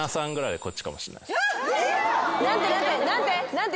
何て？